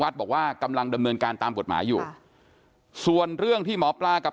บอกว่ากำลังดำเนินการตามกฎหมายอยู่ส่วนเรื่องที่หมอปลากับ